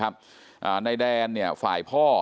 ครับท่านผู้ชมครับอ่านายแดนเนี่ยฝ่ายพ่อ